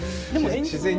自然に。